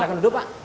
silahkan duduk pak